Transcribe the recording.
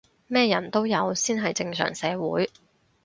咩人都有先係正常社會